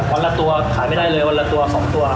วันละตัวขายไม่ได้เลยวันละตัว๒ตัว